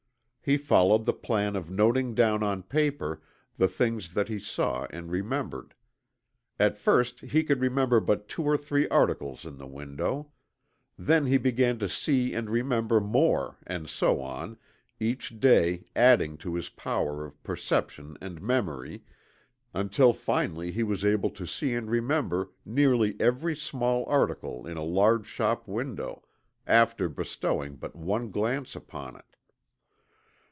He followed the plan of noting down on paper the things that he saw and remembered. At first he could remember but two or three articles in the window. Then he began to see and remember more, and so on, each day adding to his power of perception and memory, until finally he was able to see and remember nearly every small article in a large shop window, after bestowing but one glance upon it.